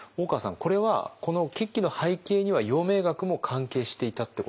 これはこの決起の背景には陽明学も関係していたってことなんですか。